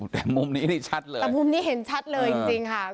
แต่มุมนี้นี่ชัดเลยแต่มุมนี้เห็นชัดเลยจริงจริงค่ะ